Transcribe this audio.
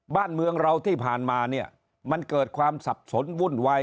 บ้านเมืองเราที่ผ่านมาเนี่ยมันเกิดความสับสนวุ่นวาย